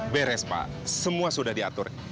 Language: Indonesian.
beres pak semua sudah diatur